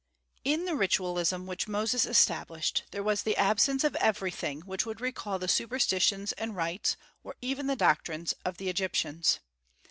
In the ritualism which Moses established there was the absence of everything which would recall the superstitions and rites, or even the doctrines, of the Egyptians.